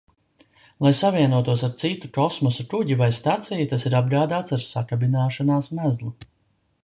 Lai savienotos ar citu kosmosa kuģi vai staciju, tas ir apgādāts ar sakabināšanās mezglu.